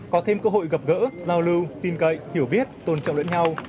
có thêm cơ hội gặp gỡ giao lưu tin cậy hiểu biết tôn trọng lẫn nhau